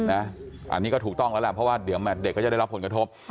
อันนี้ก็ถูกต้องแล้วแหละเพราะเด็กก็จะได้รับผลกระทบ